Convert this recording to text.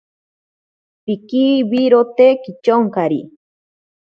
Pikiriwirote kityonkari.